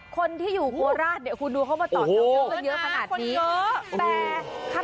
คนที่อยู่โกแลตเนี่ยคุณดูเข้ามาตรอก็เยอะว่าเยอะขนาดนี้แต่